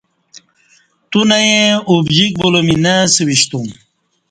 تو نہ ئیں ابجیک بو لہ می نہ اسہ وشتوم